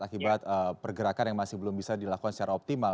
akibat pergerakan yang masih belum bisa dilakukan secara optimal